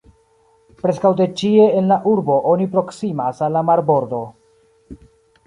Preskaŭ de ĉie en la urbo oni proksimas al la marbordo.